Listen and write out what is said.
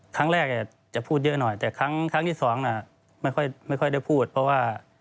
ครั้งแรกจะพูดเยอะหน่อยแต่ครั้งที่สองน่ะไม่ค่อยได้พูดเพราะว่า